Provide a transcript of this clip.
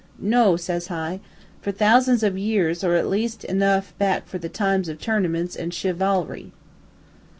"'No,' says I, 'for thousands of years, or at least enough back for the times of tournaments and chi VAL ry.'